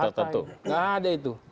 nggak ada itu